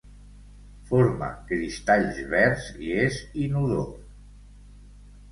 Forma cristalls verds i és inodor.